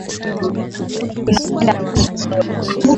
Tunapenda vitu vizuri